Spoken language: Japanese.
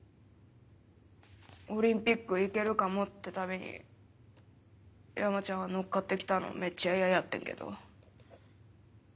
オリンピックいけるかもってたびに山ちゃんが乗っかってきたのめっちゃ嫌やってんけど。